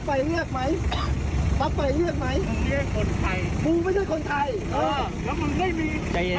พี่ค่อยคุยกัน